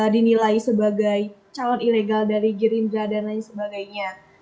dinilai sebagai calon ilegal dari gerindra dan lain sebagainya